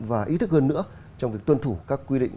và ý thức hơn nữa trong việc tuân thủ các quy định